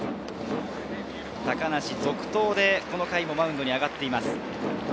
高梨続投でこの回もマウンドに上がっています。